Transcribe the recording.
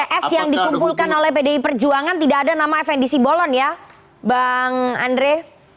pks yang dikumpulkan oleh pdi perjuangan tidak ada nama fnd simbolon ya bang andre